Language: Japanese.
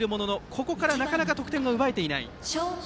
ここからなかなか得点が奪えていない。